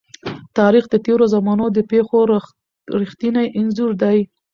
تاریخ د تېرو زمانو د پېښو رښتينی انځور دی.